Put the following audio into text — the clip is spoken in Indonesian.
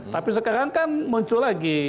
tapi sekarang kan muncul lagi